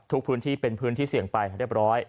ทุกพื้นที่เป็นพื้นที่เสี่ยงไปเรียบร้อย